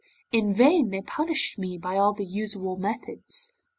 'In vain they punished me by all the usual methods.